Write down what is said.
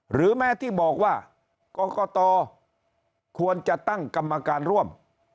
หรือแม้ที่บอกว่ากรกตควรจะตั้งกรรมการร่วม